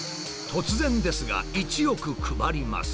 「突然ですが１億配ります」。